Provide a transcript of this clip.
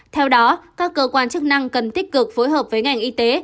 theo đó các cơ quan chức năng cần tích cực phối hợp với ngành y tế